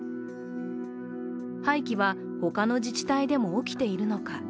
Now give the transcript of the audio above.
廃棄は、ほかの自治体でも起きているのか。